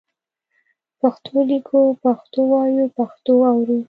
پښتو لیکو، پښتو وایو، پښتو اورو.